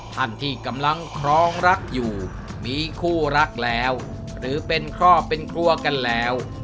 ท่านที่กำลังครองรักอยู่มีคู่รักแล้วหรือเป็นครอบครัวเป็นครัวกันแล้ว